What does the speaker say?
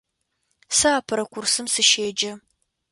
Сэ апэрэ курсым сыщеджэ.